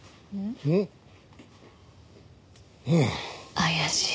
怪しい。